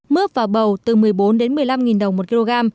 mướp và bầu từ một mươi bốn đến một mươi năm đồng một kg